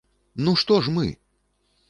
Ну што ж мы?